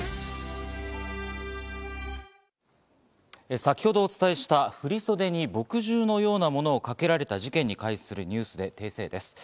先ほどお伝えした振り袖に墨汁のようなものをかけられた事件に関するニュースで訂正です。